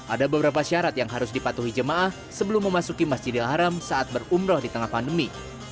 ada beberapa syarat yang harus dipatuhi jemaah sebelum memasuki masjidil haram saat berumroh di tengah pandemi